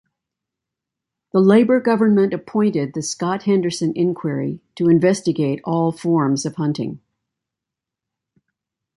The Labour government appointed the Scott Henderson Inquiry to investigate all forms of hunting.